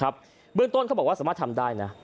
เบื้องต้นเขาบอกว่าสามารถทำได้นะ